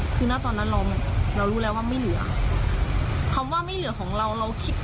คือหน้าตอนนั้นเราเรารู้แล้วว่าไม่เหลือคำว่าไม่เหลือของเราเราคิด